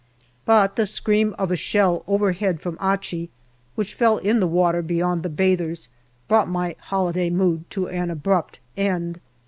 But the scream of a shell over head from Achi, which fell in the water beyond the bathers, brought my holiday mood to an abrupt end.